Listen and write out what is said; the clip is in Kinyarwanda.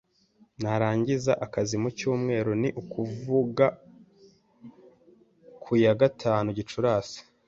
Nzarangiza akazi mu cyumweru, ni ukuvuga ku ya gatanu Gicurasi